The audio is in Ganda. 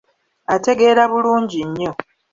Ategeera bulungi nnyo.